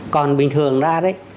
còn bình thường ra